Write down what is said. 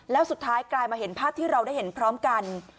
แล้วสุดท้ายกลายมาเห็นภาพที่เราได้เห็นพร้อมกัน